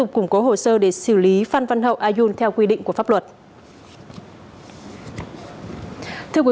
cũng có hồ sơ để xử lý phan văn hậu ayun theo quy định của pháp luật